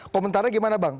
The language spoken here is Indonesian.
komentarnya gimana bang